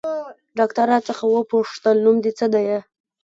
ډاکتر راڅخه وپوښتل نوم دې څه ديه.